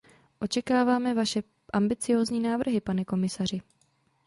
Očekáváme vaše ambiciózní návrhy, pane komisaři.